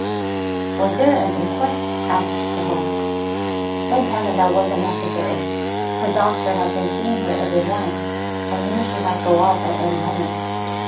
"Was there an inquest?" asked the host. "Thank Heaven that wasn't necessary. Her doctor had been seeing her every morning, and knew she might go off at any moment.